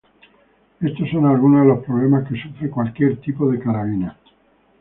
Estos son algunos de los problemas que sufre cualquier tipo de carabina.